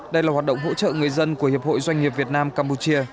đây là hoạt động hỗ trợ người dân của hiệp hội doanh nghiệp việt nam campuchia